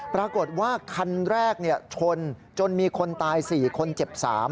ปรากฏว่าคันแรกชนจนมีคนตาย๔คนเจ็บ๓